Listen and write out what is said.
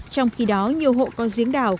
trong khi đó nhiều hộ con giếng đào